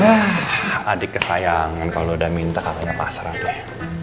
wah adik kesayangan kalau udah minta kakaknya pasrah deh